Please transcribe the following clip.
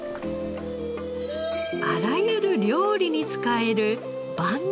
あらゆる料理に使える万能出汁に。